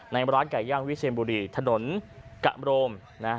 ร้านไก่ย่างวิเชียนบุรีถนนกะโรม